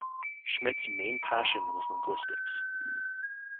Schmidt's main passion was linguistics.